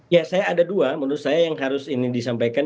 ya saya ada dua menurut saya yang harus ini disampaikan